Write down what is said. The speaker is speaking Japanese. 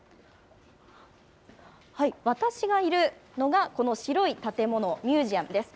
私がいるのがこの白い建物、ミュージアムです。